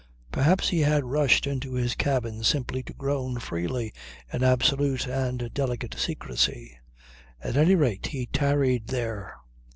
Perhaps he had rushed into his cabin simply to groan freely in absolute and delicate secrecy. At any rate he tarried there.